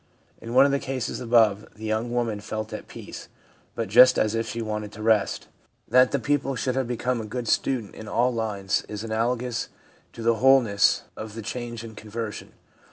In one of the cases above, the young woman felt at peace, but just as if she wanted to rest. That the pupil should have become a good student in all lines is analogous to the wholeness of the change in conversion.